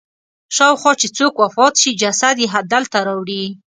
شاوخوا چې څوک وفات شي جسد یې دلته راوړي.